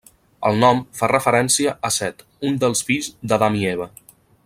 El nom fa referència a Set, un dels fills d'Adam i Eva.